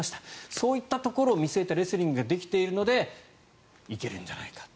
そういったところを見据えてレスリングができているので行けるんじゃないかと。